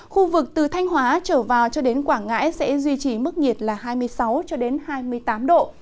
khu vực từ thanh hóa trở vào cho đến quảng ngãi sẽ duy trì mức nhiệt là hai mươi sáu hai mươi tám độ